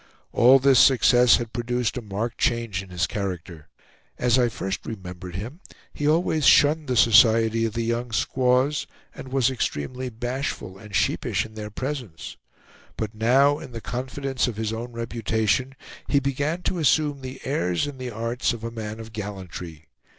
All this success had produced a marked change in his character. As I first remembered him he always shunned the society of the young squaws, and was extremely bashful and sheepish in their presence; but now, in the confidence of his own reputation, he began to assume the airs and the arts of a man of gallantry.